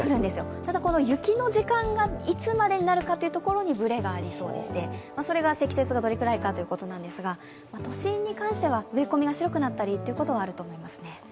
ただ雪の時間がいつになるかがブレがありそうでして、それが積雪がどのくらいかということなんですが都心に関しては植え込みが白くなったりということはあるかと思います。